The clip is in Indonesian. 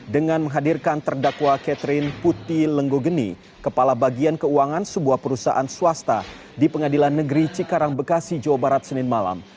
dengan menghadirkan terdakwa catherine putih lenggogeni kepala bagian keuangan sebuah perusahaan swasta di pengadilan negeri cikarang bekasi jawa barat senin malam